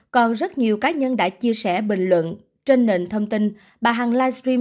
còn rất nhiều cá nhân đã chia sẻ bình luận trên nền thông tin bà hằng live stream